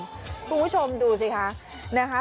คุณผู้ชมดูสิคะ